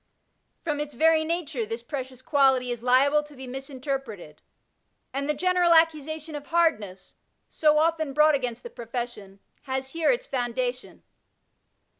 From its very nature this precious quality is liable to be misinterpreted, and the general accusation of hardness, so often brought against the profession, has here its founda tion.